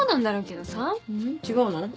違うの？